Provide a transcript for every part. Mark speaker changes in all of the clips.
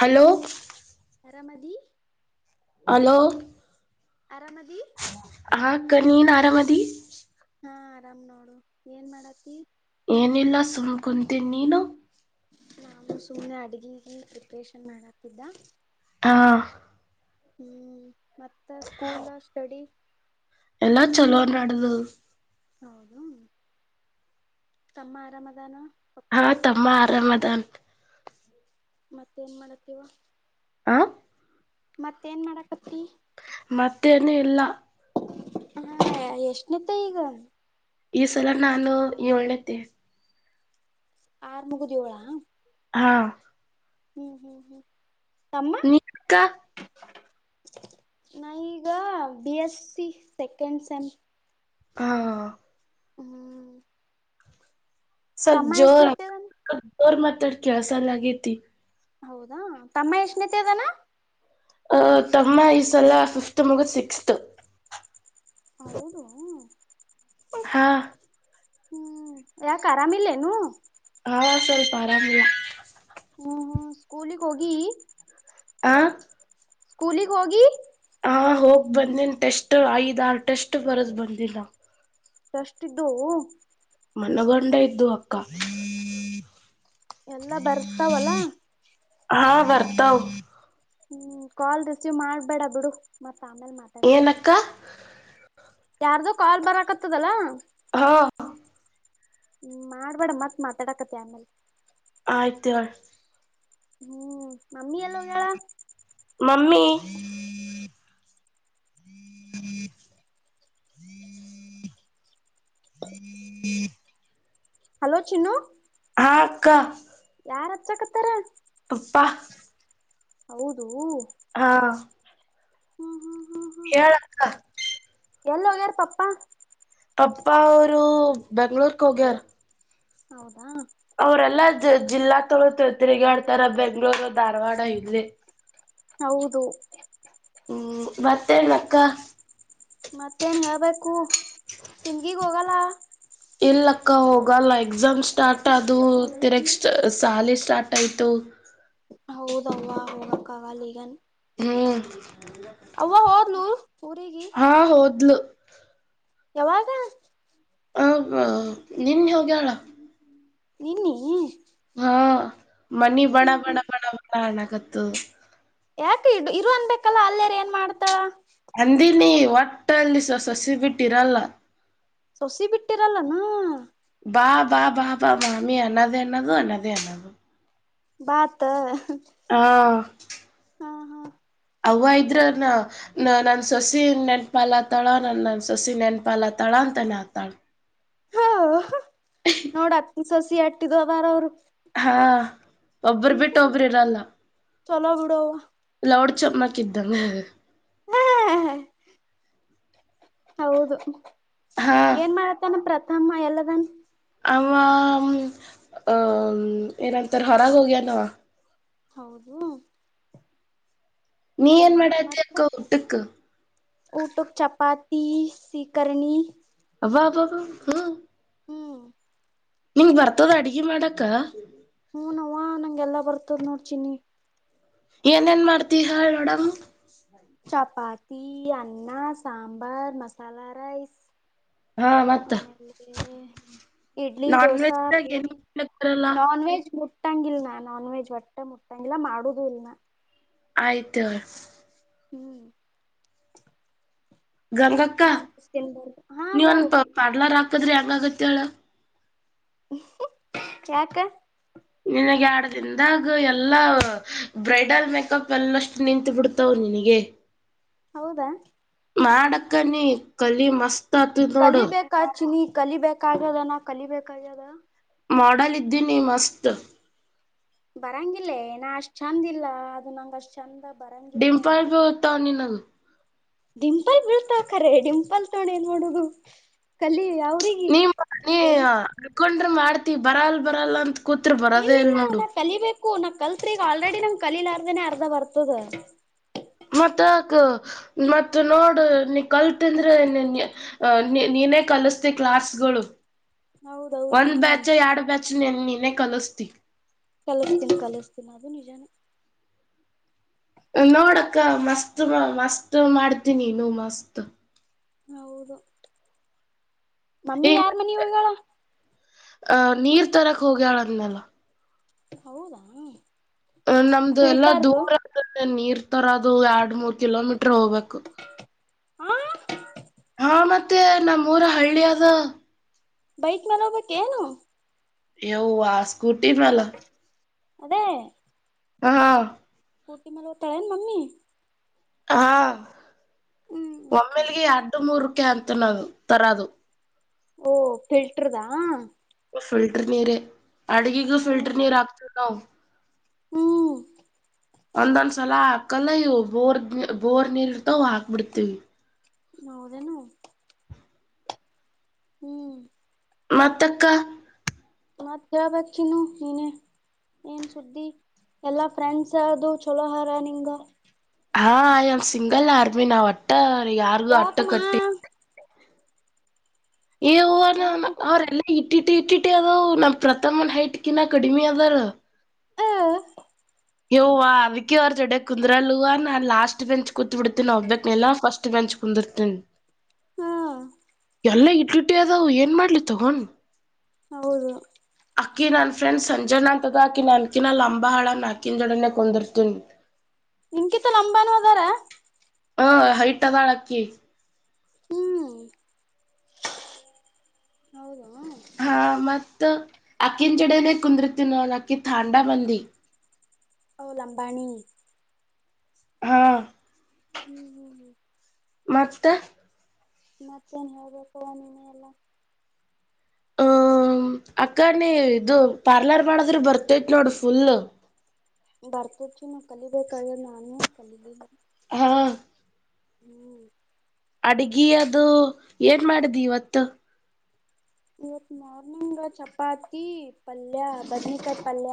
Speaker 1: Hello
Speaker 2: ಅರಮದಿ
Speaker 1: hello
Speaker 2: ಆರಾಮದಿ
Speaker 1: ಹ ಅಕ್ಕ ನೀನ್ ಆರಾಮದಿ
Speaker 2: ಹಾ ಆರಾಮ್ ನೋಡು ಏನ್ ಮಾಡತಿ
Speaker 1: ಏನಿಲ್ಲ ಸುಮ್ ಕುಂತೀನ್ ನೀನು
Speaker 2: ನಾನು ಸುಮ್ನೆ ಅಡ್ಗಿಗಿ ಪ್ರಿಪರೇಷನ್ ಮಾಡಾತ್ತಿದ್ದ
Speaker 1: ಹಾ
Speaker 2: ಹ್ಮ್ ಮತ್ತ ಸ್ಕೂಲ್ ಸ್ಟಡಿ
Speaker 1: ಎಲ್ಲಾ ಚಲೋ ನಡದದ
Speaker 2: ಹೌದು ತಮ್ಮ ಆರಾಮದಾನ
Speaker 1: ಹಾ
Speaker 2: ಪಪ್ಪಾ
Speaker 1: ತಮ್ಮ ಆರಾಮದನ
Speaker 2: ಮತ್ತ ಏನ್ ಮಾಡತೀವ
Speaker 1: ಆ
Speaker 2: ಮತ್ತ ಏನ್ ಮಾಡಕತ್ತಿ
Speaker 1: ಮತ್ತೇನೂ ಇಲ್ಲ
Speaker 2: ಹಾ ಎಸ್ನೇತೆ ಈಗ
Speaker 1: ಈ ಸಲ ನಾನು ಏಳನೇತೆ
Speaker 2: ಆರ್ ಮುಗುದ ಯೊಳ
Speaker 1: ಹಾ
Speaker 2: ಹ್ಮ್ ಹ್ಮ್ ಹ್ಮ್
Speaker 1: ನಿಕ್ಕ
Speaker 2: ನಾನ್ ಈಗ ಬಿ ಎಸ್ಸಿ ಸೆಕೆಂಡ್ ಸೆಮ್
Speaker 1: ಹಾ
Speaker 2: ಹ್ಮ್
Speaker 1: ಸಲ್ಪ
Speaker 2: ತಮ್ಮ
Speaker 1: ಜೋರ
Speaker 2: ಎಷ್ಟನತ್ತೇದನ್
Speaker 1: ಅಕ್ಕ ಜೋರ್ ಮಾತಾಡ ಕೇಳ್ಸಲ್ಲಾಗೈತಿ
Speaker 2: ಹೌದಾ ತಮ್ಮ ಎಷ್ಟನತಿ ಅದಾನ
Speaker 1: ಅ ತಮ್ಮ ಈಸಲ ಫಿಫ್ತ್ ಮುಗದ ಸಿಕ್ಸ್ತ್
Speaker 2: ಹೌದು
Speaker 1: ಹಾ
Speaker 2: ಹ್ಮ್ ಯಾಕ ಆರಾಮ ಇಲ್ಲೇನು
Speaker 1: ಹಾ ಸಲ್ಪ ಆರಾಮಿಲ್ಲ
Speaker 2: ಹ್ಮ್ ಹ್ಮ ಸ್ಕೂಲಿಗ ಹೋಗಿ
Speaker 1: ಆ
Speaker 2: ಸ್ಕೂಲಿಗ್ ಹೋಗಿ
Speaker 1: ಹಾ ಹೋಗ್ ಬಂದಿನ್ ಟೆಸ್ಟ್ ಐದ್ ಆರು ಟೆಸ್ಟ್ ಬರದ್ ಬಂದಿಲ್ಲ
Speaker 2: ಟೆಷ್ಟಿದ್ದು
Speaker 1: ಮನಗೊಂಡ ಇದ್ದು ಅಕ್ಕ
Speaker 2: ಎಲ್ಲಾ ಬರ್ತಾವಲ್ಲ
Speaker 1: ಹಾ ಬರ್ತಾವ
Speaker 2: ಹ್ಮ್ ಕಾಲ್ ರಿಸಿವ್ ಮಾಡ್ಬೇಡ ಬಿಡು ಮತ್ತ ಆಮ್ಯಾಲ ಮಾತ್ಯಾಡಕತ್ತಿ
Speaker 1: ಏನಕ್ಕ
Speaker 2: ಯಾರ್ದು ಕಾಲ್ ಬರಕತ್ತದಲ್ಲ
Speaker 1: ಹಾ
Speaker 2: ಹ್ಮ ಮಾಡ್ಬೇಡ ಮತ್ ಮಾತಾಡಕತಿ ಆಮೇಲೆ
Speaker 1: ಆಯ್ತುಾರ
Speaker 2: ಹ್ಮ್ ಮಮ್ಮಿ ಎಲ್ಲ ಹೋಗ್ಯಾಳ
Speaker 1: ಮಮ್ಮಿ
Speaker 2: ಹಲೋ ಚಿನ್ನು
Speaker 1: ಹ್ಮ್ ಅಕ್ಕ
Speaker 2: ಯಾರ ಹಚ್ಚಕತ್ತಾರ
Speaker 1: ಅಪ್ಪ
Speaker 2: ಹೌದು
Speaker 1: ಹಾ..
Speaker 2: ಹ್ಮ್ ಹ್ಮ್
Speaker 1: ಹೇಳಕ್ಕ
Speaker 2: ಎಲ್ಲೋಗಾರ ಪಪ್ಪ
Speaker 1: ಅಪ್ಪ ಅವರು ಬೆಂಗ್ಳೂರ್ಕ್ ಹೋಗ್ಯಾರ
Speaker 2: ಹೌದಾ
Speaker 1: ಅವರೆಲ್ಲ ಜಿಲ್ಲಾ ತೊಗ ತಿರುಗಾಡ್ತಾರ ಬೆಂಗ್ಗಳೂರು ಧಾರವಾಡ ಇೆ
Speaker 2: ಹೌದು
Speaker 1: ಹ್ಮ ಮತ್ತಳ್ ಅಕ್ಕ
Speaker 2: ಮತ್ತೇನ್ ಹೇಳ್ಬೇಕು ತಿಿಂದಗಿಗ್ ಹೋಗಲ್ಲ
Speaker 1: ಇಲ್ಲಕ್ಕ ಹೋಗಲ್ಲ ಎಕ್ಸಾಮ್ ಸ್ಟಾರ್ಟ್ ಅದು ತಿರಗ್ ಸ್ಟ ಶಾಲಿ ಸ್ಟಾರ್ಟ್ ಆಯ್ತು
Speaker 2: ಹೌದವಾ ಹೋಗಕ್ಕ ಆಗಲ್ಲ ಈಗನ್
Speaker 1: ಹ್ಮ್
Speaker 2: ಅವು ಹೋದ್ಲು ಊರಿಗಿ
Speaker 1: ಹಾ ಹೋದ್ಲು
Speaker 2: ಯಾವಾಗ
Speaker 1: ಹ ನಿನ್ ಹೋಗ್ಯಾಳ
Speaker 2: ನಿನ್ನಿ
Speaker 1: ಹಾ ಮನಿ ಬಣ
Speaker 2: ಹ್ಮ್
Speaker 1: ಬಣ
Speaker 2: ಹ್ಮ್
Speaker 1: ಬಣ ಬಣ ಹಣ ಕತ್ತು
Speaker 2: ಯಾಕ ಇ ಇರು ಅನ್ಬೇಕಲ್ಲ ಅಲ್ಲೇಾರ ಏನ್ ಮಾಡ್ತಾಳ
Speaker 1: ಅಂದಿನಿ ಒಟ್ಟಲ್ಲಿ ಸೊ ಸಸಿ ಬಿಟ್ಟಿರಲ್ಲ
Speaker 2: ಸೊಸಿ ಬಿಟ್ಟಿರಲ್ಲ ನ
Speaker 1: ಬಾ ಬಾ ಬಾ ಬಾ ಅಿ ಅನ್ನದೆ ಅನ್ನದು ಅನ್ನದೇ ಅನ್ನದು
Speaker 2: ಬತೆ
Speaker 1: ಹಾ
Speaker 2: ಹಾ
Speaker 1: ಅವ ಇದ್ರ ನ ನ ನನ್ನ ಸೊಸಿ ನೆನ್ಪಾಲಾತಳ ನನ್ ನನ್ನ ಸೊಸಿ ನೆನ್ಪಾಲತಾಳ ಅಂತ ನತಾಳ
Speaker 2: ಹೋಹು ನೋಡ ಹತ್ಸೋಸಿ ಸಿ ಅಟ್ಟಿ ದವಾರ ಅವರು
Speaker 1: ಒಬ್ಬರು ಬಿಟ್ಟು ಒಬರು ಇರಲ್ಲ.
Speaker 2: ಚಲೋ ಬಿಡವ್ವ
Speaker 1: ಚಪ್ ಮಾಡಕ್ಕಿದ್ದ.
Speaker 2: ಹ್ಹ್ಹ್ಹ್ ಹ್ಹ್ಹ್ಹ್ ಹೌದು.
Speaker 1: ಹಾ
Speaker 2: ಏನ್ ಮಾಡತ್ತಾನ ಪ್ರ ತಮ್ಮ ಎಲ್ಲದಾನ.
Speaker 1: ಅವವ್ವಾ ಆಮ್ ಏನಂತಾರ ಹೊರಗೆ ಹೋಗ್ಯಾನವ.
Speaker 2: ಹೌದು.
Speaker 1: ನಿ ಏನು
Speaker 2: ಹ್ಮ್
Speaker 1: ಮಾಡಾಕತ್ತಿ
Speaker 2: ಮತ್ತ
Speaker 1: ಅಕ್ಕಾ ಊಟಕ್ಕ
Speaker 2: ತಿ ಸಿಕರ್ಣಿ
Speaker 1: ಅಬ್ಬಬ್ಬಾ ಹು
Speaker 2: ಹ್ಮ್
Speaker 1: ನಿಂಗ ಬರ್ತದ ಅಡಗಿ ಮಾಡಾಕ.
Speaker 2: ಹುನವ್ವ ನಂಗ ಎಲ್ಲಾ ಬರ್ತದ್ ನೋಡ ಚಿನ್ನಿ
Speaker 1: ಏನ್ ಏನ್ ಮಾಡತಿ ಹೇಳನೋಡೋಣ
Speaker 2: ಚಪಾತಿ ಅನ್ನಾ ಸಾಂಬಾರ್ ಮಸಾಲಾ ರೈಸ್.
Speaker 1: ಹಾ ಮತ್ತ
Speaker 2: ಆಮೇಲೆ ಇಡ್ಲಿ
Speaker 1: ನಾನ್
Speaker 2: ದೋಸಾ
Speaker 1: ವೆಜ್ದಾಗ ಏನ್
Speaker 2: ಪೂರಿ
Speaker 1: ಮಾಡ್ಲಕ್ ಬರಲ್ಲ
Speaker 2: ನಾನ್ ವೆಜ್. ಮುಟ್ಟಂಗಿಲ್ಲಾ ನಾನ್ ವೆಜ್ ಒಟ್ಟ ಮುಟ್ಟಂಗಿಲ್ಲ ಮಾಡುದು ಇಲನಾ
Speaker 1: ಆಯತ್ತಳ
Speaker 2: ಹು ಟಕ್
Speaker 1: ಗಂಗಕ್ಕಾ
Speaker 2: ಹಾ
Speaker 1: ನೀವ ಒಂದ
Speaker 2: ಹೇಳು
Speaker 1: ಪ ಪಾಡ್ಲರ್ ಹಾಕದ್ರೆ ಹೆಂಗಗಾಗುತ್ತ ತ್ತಿಲ್ಲ
Speaker 2: ಹುಕು ಟಕ್ ಯಾಕ್
Speaker 1: ನಿನಗೆ ಯಾಡದಿಂದಾಗ ಎಲ್ಲಾ ಬ್ರೈಡಲ್ ಮೇಕಪ್ ಎಲ್ಲಷ್ಟು ನಿಂತು ಬಿಡ್ತವ ನಿನಗೆ.
Speaker 2: ಹೌದಾ.
Speaker 1: ಮಾಡಕ್ಕನಿ ಕಲಿ ಮಸ್ತ್. ಆತದ್ ನೋಡು
Speaker 2: ಕಲಿಬೇಕಾಳ್ ಚಿನ್ನಿ ಕಲಿಬೇಕಾಗ್ಯದ ನಾ ಕಲಿಬೇಕಾಗ್ಯದ.
Speaker 1: ಮೋಡಲ್ ಇದ್ದೀನಿ ಮಸ್ತ್
Speaker 2: ಬರಂಗಿಲ್ಲೇನ ನಾ ಅಷ್ಟ್ ಚಂದ ಇಲ್ಲ ಅದು ನಂಗ ಅಷ್ಟ್ ಚಂದ. ಬರಂಗಿಲ್
Speaker 1: ಡಿಂಪಲ್ ಬೀಳ್ತಾತವ ನಿನಗ ಟ್ಟ್
Speaker 2: ಡಿಂಪಲ್ ಬೀಳ್ತಾ ಕರೆ ಡಿಂಪಲ್ ತೊಂಡ ಏನು ಮಾಡೋದು ಕಲಿ.
Speaker 1: ಪ್ಚ್
Speaker 2: ಅವ್ರಿಗೆ
Speaker 1: ನೀ ನೀ
Speaker 2: ರೆಡಿ
Speaker 1: ಅನಕೊಂಡ್ರ ಮಾಡ. ತಿ ಬರಲ್ಲ ಬರಲ್ಲ ಅಂತ. ಕೂತರ ಬರೋದೇ ಇಲ್ಲ ನೋಡು.
Speaker 2: ಕು ನಾ ಕಲ್ತ್ ಈಗ ಆಲದ್ರಡಿ ನಂಗ ಕಲೀಲಾರ್ದ ಅರ್ದನೆ ಅರ್ಧ ಬರ್ತದ.
Speaker 1: ಮತ್ತ್ಯಾಕ ಮತ್ತ್ ನೋಡ್ ನೀ ಕಲ್ತಂದ್ರೆ ನಿ ನಿ ನೀನೇ ಕಲಸ್ತಿ ಕ್ಲಾಸ್ಗಳು.
Speaker 2: ಹೌದೌದು
Speaker 1: ಒಂದ
Speaker 2: ಹ್ಮ್
Speaker 1: ಬ್ಯಾಚ್ ಎರಡು ಬ್ಯಾಚ್. ನಿನ್ನ ನೀನೇ ಕಲಸ್ತಿ
Speaker 2: ಕಲಸ್ತೇನಿ ಕಲಿಸ್ತೀನಿ ಅದು ನಿಜಾನೇ.
Speaker 1: ನೋಡಕ್ಕ ಮಸ್ತ್ ಮಸ್ತ್ ಮಾಡ್ತೀನಿ ನಿನು ಮಸ್ತ್
Speaker 2: ಹೌದು. ಮಮ್ಮಿ ಯಾರ್ ಮನಿಗೆ ಹೋಗ್ಯಾಳ
Speaker 1: ಅಹ ನೀರ್ ತರಕ್ ಹೋಗ್ಯ್ಯಾಳ ಅದ್್ಮೇಲ್ಲ
Speaker 2: ಹೌದಾ
Speaker 1: ಅ ನಮ್ದು ಎಲ್ಲಾ
Speaker 2: ಫಿಲ್ಟರ್ದು
Speaker 1: ದೂರ ನೀರ್ ಇತರ ಅದು ಎರಡ್ ಮೂರ್ ಕಿಲೋಮೀಟರ್ ಹೋಗ್ಬೇಕು
Speaker 2: ಹಾ
Speaker 1: ಹಾ ಮತ್ತೆ ನಮ್ಮೂಊರ ಹಳ್ಳಿದ
Speaker 2: ಬೈಕ್ ಮಲೋಗಬೇಕಕ್ ಏನು
Speaker 1: ಎವ ಆ ಸ್ೂಟಿನಲ
Speaker 2: ಅದೇ
Speaker 1: ಹಾ
Speaker 2: ಕಟಿ ಮಲಾವತ ಯ ಮಮ್ಮಮ್ಮಿ
Speaker 1: ಹಾ
Speaker 2: ಹ್ಮ್ ಓಕೆ
Speaker 1: ಒಮ್ಮೆಲ್ಗೆ ಅಡ್ಡು ಮೂರು ಅಂತನದು ತರದು
Speaker 2: ಓ ಫಿಲ್ಟರ್ದಾ
Speaker 1: ಫಲ್ಟರ್ ನೀರೆ
Speaker 2: ಹ್ಮ್
Speaker 1: ಅಡುಿಗೆಗಫ್ಟರ್ ನೀ ರಾತ ನ
Speaker 2: ಹ್ಮ್
Speaker 1: ಒಂದೊಂದ್ಸಲ ಹಾಕಲ್ಲಯ್ಯವು ಬೋರ್ ಬೋರ್ ನೀರ್ ಇರ್ತಾವ ಹಾಕ್ಬಿಡ್ತೀವಿ
Speaker 2: ನೌದನು ಹ್ಮ್
Speaker 1: ಮತಕ್ಕ
Speaker 2: ಮತ್ ಕೇಳ್ಬೇಕಿನ ನೀನೇ ಏನ್ ಸುದ್ದಿ ಎಲ್ಲಾ ಫ್ರೆಂಡ್ಸ್ ಅದು ಚಲೋ ಹರ ನಿಂಗ
Speaker 1: ಹಾ ಯ ಆ್ ಸಿಂಗಲ್ ಆರ್ಮಿಿನ ಒಟ್ಟ ಯಾರಗ ಅಟ್ಟ
Speaker 2: ಯಾಕಮ್ಮ
Speaker 1: ಕಟ್ಟಿ ಈ ಹೂ
Speaker 2: ಯಾಕ
Speaker 1: ಅವ್ರಲ್ಲ ಇಟ್ಟಿಟ್ಟಿ ಇಟ್ಟಿಟ್ಟು ಅದು ನಮ್ಮ ಪ್ರಥಮ್ನ್ ಹೈಟ್ಗಿನ ಕಡಿಮೆ ಅದಾರ
Speaker 2: ಹ
Speaker 1: ಹ್ವ ಅವಿಕಿ ಅವ್ರ ಜಡ ಕುಂದ್ರಲ್ವಾ ನಾನ್ ಲಾಸ್ಟ್ ಬೆಂಚ್ ಕೂತ್ ಬಿಿಡ್ತೀನಿ ಒಬ್ಬಕ್ನೆಲ್ಲ ಫಸ್ಟ್ ಬೆಂಚ್ ಕುಂದಿರ್ತನಿ
Speaker 2: ಹ್ಮ
Speaker 1: ಎಲ್ಲಾ ಇಟ್ಲಿಟ್ಟಿ ಅದಾವ್ ಏನ್ ಮಾಡ್ಲಿ ತಗೋೊಂಡ್
Speaker 2: ಹೌದು
Speaker 1: ಅಕ್ಕಿ ನನ್ನ ಫ್ರೆಂಡ್ ಸಂಜೆ್ಣ ಅಂತಗಾಕಿ ನನ್ಕಿಿನ ಲಂಬ ಹಳನಕಿ ಕಿಂಡಡನೆ ಕೊಂದರ್ತನ್
Speaker 2: ನಿಮಕಿತ್ತ ನಂಬಾನ ಅದಾರ
Speaker 1: ಹಾ ಹೈಟ್ ಅದಾಳಕ್ಕಿ
Speaker 2: ಹ್ಮ ಹೌದು
Speaker 1: ಹಾ ಮತ್ತ ಅಕ್ಕಿನ ಚಡನೆ ಕುಂದ್ರತಿ ನ ಅಕ್ಕಿ ಥಾಂಡ ಬಂದಿ
Speaker 2: ಓ ಲ ಅಂಬಾಣಿ
Speaker 1: ಹಾ
Speaker 2: ಹ್ಮ್ ಹ್ಮ್ ಹ್ಮ್
Speaker 1: ಮತ್ತೆ
Speaker 2: ಮತ್ತೇನ್ ಹೋಗಬೇಕು ನೀಿನ ಎಲ್ಲ
Speaker 1: ಹ ಅಕ್ಕನ ಇದು ಪಾರ್ಲರ್ ಮಾಡದ್ರೆ ಬರ್ತೇತ್ ನೋಡ ಫುಲ್
Speaker 2: ಬರ್ತರ್ಿ ನ ಕಲಿಬೇಕಾಗ ನಾನು ಅಲ್ಲಿ
Speaker 1: ಹಾ
Speaker 2: ಹ್ಮ್
Speaker 1: ಅಡಗಿ ಅದು ಏನ್ ಮಾಡಿದಿ ಇವತ್ತು
Speaker 2: ಇವತ್ತು ಮಾರ್ನಂಗ ಚಪಾತಿ ಪಲ್ಯ ಬದನಿಕಾಯ ಪಲ್ಯ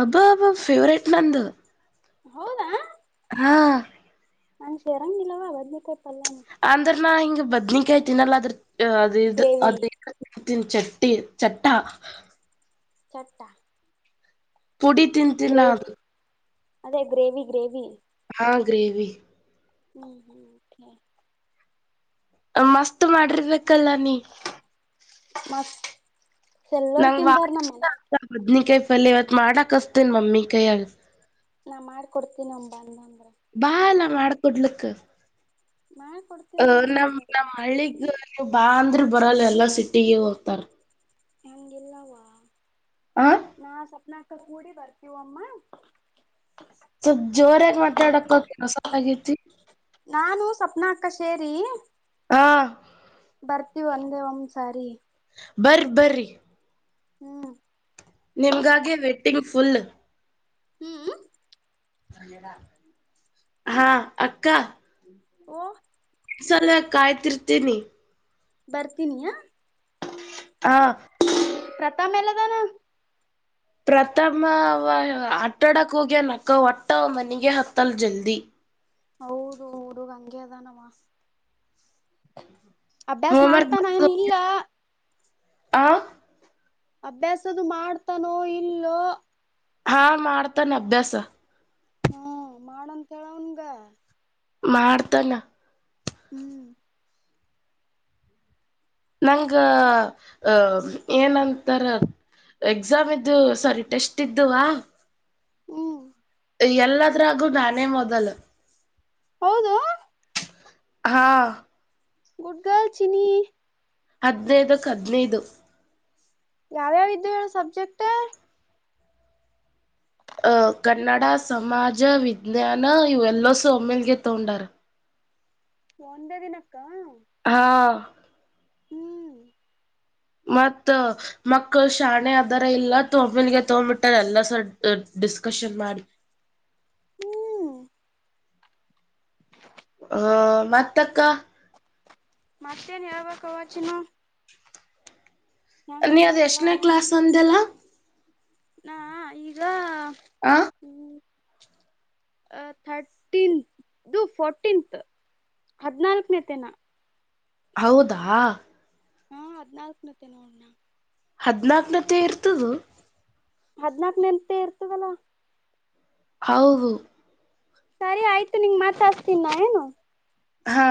Speaker 1: ಅಬ ಅಬ ಫೇವ್ರೇಟ್ ನಂದ
Speaker 2: ಹೌದಾ
Speaker 1: ಹಾಂ
Speaker 2: ನಂಗ್ ಶೇರಂಗಿಲ್ಲವಾ ಬದ್್ಮಾಯ ಪಲ್ಂಗ್
Speaker 1: ಅಂದ್ರ ನಾ ಹಿಂಗ ಬದನಕ್ಯತೀನಲ್ಲಾ ಅ್ರ ಅದೇ ಇದು
Speaker 2: ಗ್ರೇವಿ
Speaker 1: ಅದೇ ಚಟ್ಟಿ ಚಟ್ಟಾ
Speaker 2: ಚಟ್ಟ
Speaker 1: ಕುುಡಿ
Speaker 2: ಗ್ರೇವಿ
Speaker 1: ತಿಂತಿನದು
Speaker 2: ಅದೇ ಗ್ರೇವಿ ಗ್ರೇವಿ
Speaker 1: ಆ ಗ್ರೇವಿ
Speaker 2: ಹ್ಮ್ ಹ್ಮ್ ಹೆ
Speaker 1: ಮಸ್ತ್ ಮಾಡಿರ್ಬೇಕಲ್ಲ ನೀ
Speaker 2: ಮಸ್ತ್ ಎಲ್ಲರೂ ತಿಂದಾರ ನಮ್ ಮನ್ಯಾಗ
Speaker 1: ನಂಗ್ ಕೈ ಫಲ್ ಇವತ್ ಮಾಡಕ್ಸ್ತೀನ್ ಮಮ್ಮಿ ಕೈಯಗ
Speaker 2: ನಾ ಮಾಡಕೊಡ್ತೀನ ಒಬ ಅಂದ ಅಂದ್ರೆ
Speaker 1: ಕ್ಕ ಅಹ ನಮ
Speaker 2: ನಿಂಗ
Speaker 1: ನಮ್ಮ್ ಹಳ್ಳಿಗ್
Speaker 2: ಬರ್ತೀನಿ
Speaker 1: ನೀವು ಬಾ ಅಂದ್ರ ಬರಲ್ ಎಲ್ಲಾ ಸಿಟಿಗೆ ಹೋಗ್ತಾರ
Speaker 2: ನನ್ಗೆಿಲ್ಲವಾ
Speaker 1: ಆ
Speaker 2: ನಾ ಸಪ್ನಾ ಕೂಡಿ ಬರ್ತವ ಅಮ್ಮ
Speaker 1: ಸ್ವಲ್ಪ್ ಜೋರಾಗಿ ಮಾತಾಡಕತ್ತಸನ್ನಾಗಿತಿ
Speaker 2: ಸ್ವಪ್ನಾ ಅಕ್ಕ ಸೇರಿ
Speaker 1: ಹಾ
Speaker 2: ತರ್ತಿೀ ಒಂದೇ ಒಂದ್ ಸಾರಿ
Speaker 1: ಬರ್ ಬ್ರಿ
Speaker 2: ಹ್ಮ್
Speaker 1: ನಿಮ್ಗಾಗೆ ವೇಟ್ಟಿಂಗ್ ಫುಲ್
Speaker 2: ಹ್ಮ್
Speaker 1: ಹಾ ಅಕ್ಕ
Speaker 2: ಓ [unintelligible]
Speaker 1: ಸರೆ ಕಾಯ್ತಿರ್ತೀನಿ
Speaker 2: ಬರ್ತೀ ನಿನ
Speaker 1: ಹಾ
Speaker 2: ಪ್ರತಾಾಮ ಎಲೆದಾನ
Speaker 1: ಪ್ರಥಮ ಆಟಾಡಕ ಒಗೆನ ಅಕ್ಕ ಒಟ್ಟವ ಮನಗೆ ಹತ್ತಲ್ ಜಲ್ದಿ
Speaker 2: ಹೌದು ಹುಡುಗಂಗೆ ಆದ ಾನವಾ [unintelligible] ಅಭ್ಯಾಸ ಮಾಡ್ತಾ ಎನ
Speaker 1: ಹೋಮ್ವರ್ಕ್
Speaker 2: ಇಲ್ಲ
Speaker 1: ಆ
Speaker 2: ಅಭ್ಯಾಸ್ದ ಮಾಡ್ತಾನೋ ಇಲ್ಲೋ
Speaker 1: ಹಾ ಮಾಡ್ತಾನ ಅಭ್ಯಾಸ
Speaker 2: ಹ್ಮ ಮಾಡಂತ ಹೇಳ ಅವನ್ಗ
Speaker 1: ಮಾಡ್ತಾನ
Speaker 2: ಹ್ಮ್
Speaker 1: ನಂಗ ಏನಂತಾರ ಎಕ್ಸಾಮ್ ಇದ್ದು ಸಾರಿ ಟೆಸ್ಟ್ ಇದ್ದುವ
Speaker 2: ಹ್ಮ್
Speaker 1: ಎಲ್ಲದ್ರಾಗು ನಾನೇ ಮೊದಲ
Speaker 2: ಹೌದು
Speaker 1: ಹಾ
Speaker 2: ಗುಡ್ ಗರ್ಲ್ ಚಿನಿ
Speaker 1: ಹದ್ಿನೈದಕ್ಕೆ ಹದ್ನೈದು
Speaker 2: ಯಾವ್ಯಾವ ಇದವು ಸಬ್ಜೆಕ್ಟ್
Speaker 1: ಅಹ ಕನ್ನಡ ಸಮಾಜ ವಿಜ್ಞಾನ ಇವೆಲ್ಲಸ ಒಮ್ಮೇಲ್ಗೆ ತಗೊಂಡಾರ
Speaker 2: ಒಂದೇ ದಿನ
Speaker 1: ಹಾ
Speaker 2: ಹ್ಮ್
Speaker 1: ಮತ್ತ ಮಕ್ಕಳ ಶಾಣೆ ಅದಾರ ಇಲ್ಲ ತೊಂಬಲ್ಗೆ ತೊಗ್ಬಿಟ್ಟಾರ ಎಲ್ಲ ಸರ್ ಡಿಸ್ಕಶನ್ ಮಾಡಿ
Speaker 2: ಹ್ಮ್
Speaker 1: ಹ ಮತ್ತಕ್ಕ
Speaker 2: ಮತ್ತೇನ್ ಯರವ ಕವಾಚಿ [unintelligible]
Speaker 1: ನೀ ಅದ
Speaker 2: ಎಲ್ಲಾ
Speaker 1: ಎಷ್ಟನೇ
Speaker 2: ಆರಾಮಿ
Speaker 1: ಕ್ಲಾಸ್ ಅಂದಲ್ಲ
Speaker 2: ನಾ ಈಗ
Speaker 1: ಆ
Speaker 2: ಅ ಥರ್ಟೀನ್ ಫೋರ್ಟೀನ್ತ್ ಹದಿನಲ್ಕನೇ ತನಾ
Speaker 1: ಹೌದಾ
Speaker 2: ಹಾ ಹದ್ನಾಾಲ್ಕನತ್ತೇ ನೋಡಣ [unintelligible]
Speaker 1: ಹದ್ನಾಕನತ್ತೆ ಇರ್ತದು
Speaker 2: ಹದ್ನಾಕ ನೆಂತೆ ಇರ್ತದಲ್ಲ
Speaker 1: ಔದು
Speaker 2: ಸರಿ ಆಯ್ತು ನಿನ್ ಮಾತಾಸ್ತೀನ್ ಏನು
Speaker 1: ಹಾ